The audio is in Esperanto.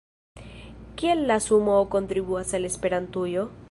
Kiel la sumoo kontribuas al Esperantujo?